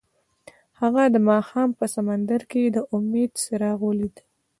هغه د ماښام په سمندر کې د امید څراغ ولید.